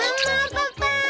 パパ！